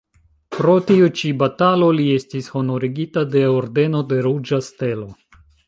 Pro tiu ĉi batalo li estis honorigita de ordeno de Ruĝa Stelo.